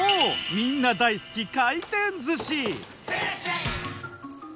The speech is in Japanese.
みんな大好き回転寿司！